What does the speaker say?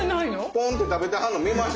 ポンって食べてはんの見ました。